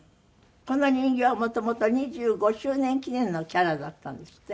この人形はもともと２５周年記念のキャラだったんですって？